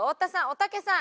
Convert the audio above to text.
おたけさん